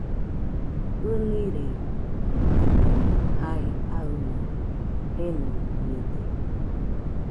ɨniredɨñaiño jae aɨna jenonide.